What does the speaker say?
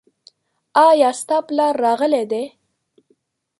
ایا ستا پلار راغلی دی ؟